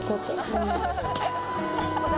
ごめん。